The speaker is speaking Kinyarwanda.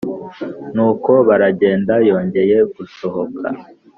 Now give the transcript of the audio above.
Nuko baragenda Yongeye gusohoka